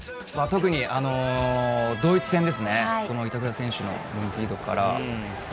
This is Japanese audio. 特にドイツ戦ですね板倉選手のロングフィードから。